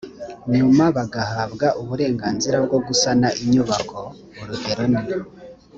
nyuma bagahabwa uburenganzira bwo gusana inyubako urugero ni